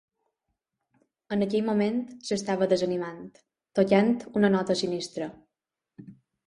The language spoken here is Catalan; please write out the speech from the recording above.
En aquell moment s'estava desanimant, tocant una nota sinistra.